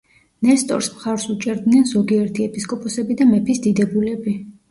ნესტორს მხარს უჭერდნენ ზოგიერთი ეპისკოპოსები და მეფის დიდებულები.